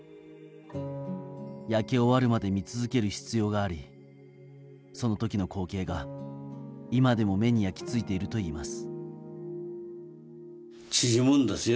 焼け終わるまで見続ける必要がありその時の光景が、今でも目に焼き付いているといいます。